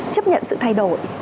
chấp nhận sự thay đổi